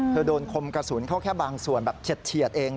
โดนคมกระสุนเข้าแค่บางส่วนแบบเฉียดเอง